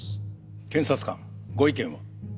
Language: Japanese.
検察官ご意見は？